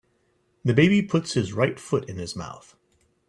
The baby puts his right foot in his mouth.